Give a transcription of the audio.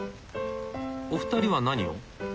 お二人は何を？